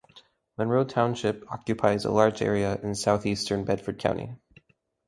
Monroe Township occupies a large area in southeastern Bedford County.